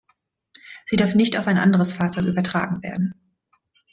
Sie darf nicht auf ein anderes Fahrzeug übertragen werden.